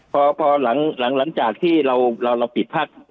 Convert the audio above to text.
พอพอหลังหลังหลังจากที่เราเราเราปิดภาคภาคเรียนนะครับน่ะ